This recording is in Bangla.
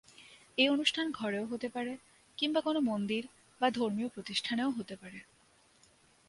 এ অনুষ্ঠান ঘরেও হতে পারে, কিংবা কোনো মন্দির বা ধর্মীয় প্রতিষ্ঠানেও হতে পারে।